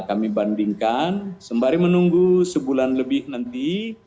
kami bandingkan sembari menunggu sebulan lebih nanti